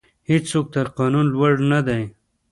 هیڅوک تر قانون لوړ نه دی.